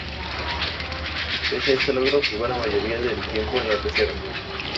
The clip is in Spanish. Pese a este logro, jugó la mayoría del tiempo en la reserva.